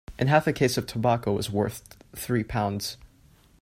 A half a case of tobacco was worth three pounds.